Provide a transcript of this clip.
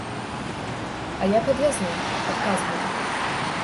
А я падвязу, адказваю.